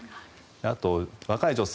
あとは若い女性